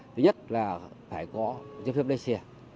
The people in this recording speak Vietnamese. thứ nhất là phải có giấy phép lái xe